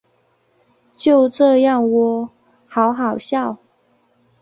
就这样喔好好笑